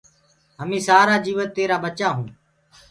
همين سآرآ جيوت تيرآ ٻچآ هونٚ